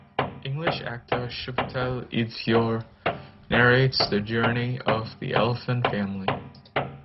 English actor Chiwetel Ejiofor narrates the journey of the elephant family.